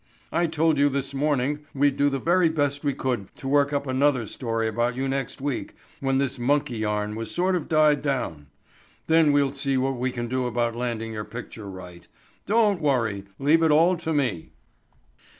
"I told you this morning we'd do the very best we could to work up another story about you next week when this monkey yarn was sort of died down. Then we'll see what we can do about landing your picture right. Don't worry. Leave it all to me."